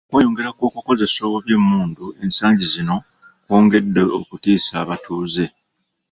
Okweyongera kw'okukozesa obubi emmundu ensangi zino kwongedde okutiisa abatuuze.